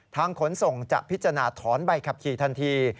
ขนส่งจะพิจารณาถอนใบขับขี่ทันที